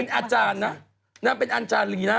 นางเป็นอาจารย์นะ